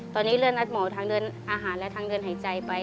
ตอนนี้เลื่อนนัดหมอทางเดินอาหารและทางเดินหายใจไป